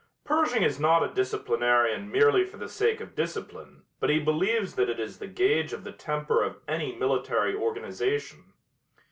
Pershing is not a disciplinarian merely for the sake of discipline but he believes that it is the gauge of the temper of any military organization.